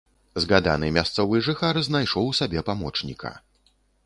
Згаданы мясцовы жыхар знайшоў сабе памочніка.